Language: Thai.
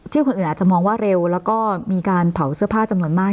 คนอื่นอาจจะมองว่าเร็วแล้วก็มีการเผาเสื้อผ้าจำนวนมาก